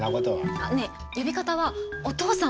あっねえ呼び方は「お義父さん」